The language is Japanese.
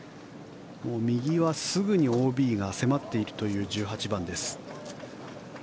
右はすぐにＯＢが迫っているという１８番です。